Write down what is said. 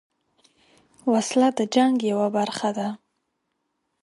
وسله د جنګ یوه برخه ده